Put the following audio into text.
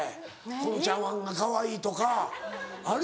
この茶わんがかわいいとかあるやない。